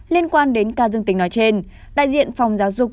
liên quan đến ca dương tính nói trên đại diện phòng giáo dục